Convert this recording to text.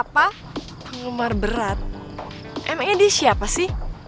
penggemar berat emang ini dia siapa sih